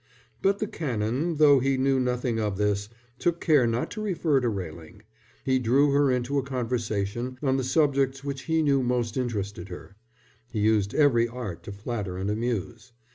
But the Canon, though he knew nothing of this, took care not to refer to Railing. He drew her into a conversation on the subjects which he knew most interested her. He used every art to flatter and amuse.